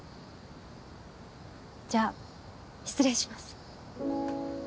じゃあ失礼します。